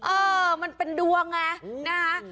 เออมันเป็นดวงไงนะคะ